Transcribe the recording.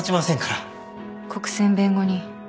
国選弁護人